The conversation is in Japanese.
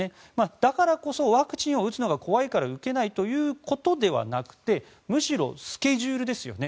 だからこそワクチンを打つのが怖いから受けないということではなくてむしろスケジュールですよね。